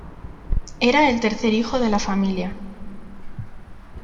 Era el tercer hijo de la familia.